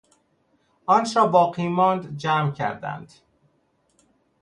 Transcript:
آنچه را باقی ماند جمع کردند